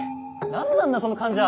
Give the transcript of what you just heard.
何なんだその患者！